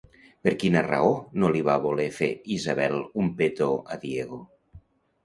Per quina raó no li va voler fer Isabel un petó a Diego?